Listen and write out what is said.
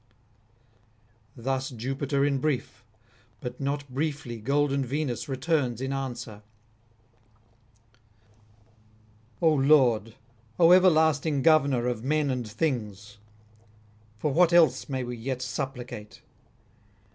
Thus Jupiter in brief; but not briefly golden Venus returns in answer: ... 'O Lord, O everlasting Governor of men and things for what else may we yet supplicate?